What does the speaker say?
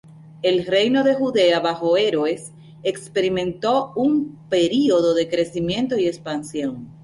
El reino de Judea bajo Herodes experimentó un período de crecimiento y expansión.